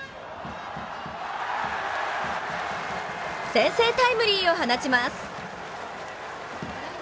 先制タイムリーを放ちます。